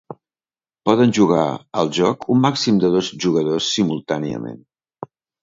Poden jugar al joc un màxim de dos jugadors simultàniament.